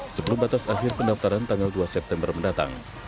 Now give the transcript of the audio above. sebelum batas akhir pendaftaran tanggal dua september mendatang